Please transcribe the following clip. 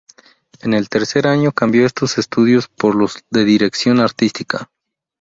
En el tercer año cambió estos estudios por los de dirección artística.